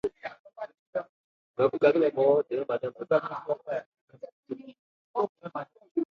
Bwri phohpo chan nnɔ́n hromɛn thandi.